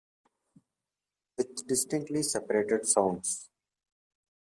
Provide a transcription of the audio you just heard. With distinctly separated sounds.